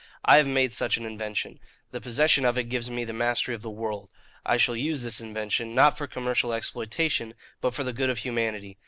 I have made such an invention. The possession of it gives me the mastery of the world. I shall use this invention, not for commercial exploitation, but for the good of humanity.